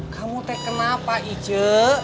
kamu teh kenapa ije